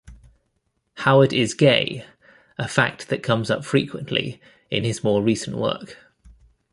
Howard is gay, a fact that comes up frequently in his more recent work.